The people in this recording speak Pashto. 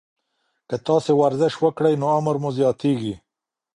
که تاسي ورزش وکړئ، نو عمر مو زیاتیږي.